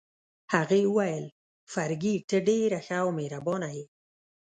هغې وویل: فرګي، ته ډېره ښه او مهربانه يې.